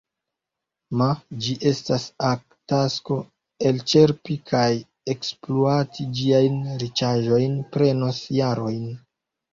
Ma ĝi estas ak tasko: elĉerpi kaj ekspluati ĝiajn riĉaĵojn prenos jarojn.